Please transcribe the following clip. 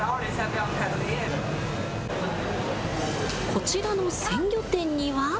こちらの鮮魚店には。